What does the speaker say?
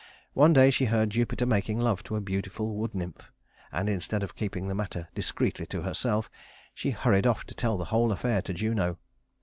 One day she heard Jupiter making love to a beautiful wood nymph, and instead of keeping the matter discreetly to herself, she hurried off to tell the whole affair to Juno.